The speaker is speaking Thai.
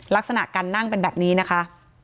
ลักษณะการนั่งเป็นแบบนี้นะคะ